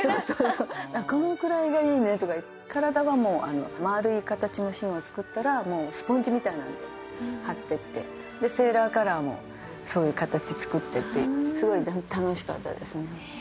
そうそうそう「このくらいがいいね」とか体はもう丸い形の芯を作ったらもうスポンジみたいなので貼ってってでセーラーカラーもそういう形作ってってすごい楽しかったですね